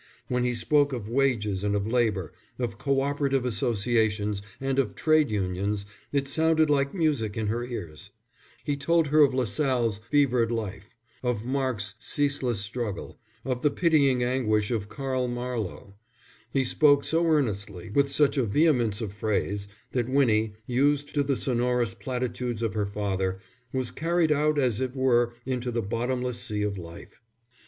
When he spoke of wages and of labour, of Co operative Associations and of Trades Unions, it sounded like music in her ears. He told her of Lassalle's fevered life, of Marx' ceaseless struggle, of the pitying anguish of Carl Marlo. He spoke so earnestly, with such a vehemence of phrase, that Winnie, used to the sonorous platitudes of her father, was carried out as it were into the bottomless sea of life.